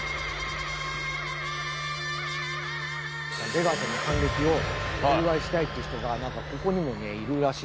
出川さんの還暦をお祝いしたいっていう人がここにもねいるらしいんですよ。